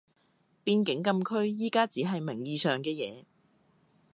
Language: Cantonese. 邊境禁區而家只係名義上嘅嘢